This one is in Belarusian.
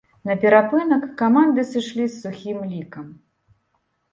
На перапынак каманды сышлі з сухім лікам.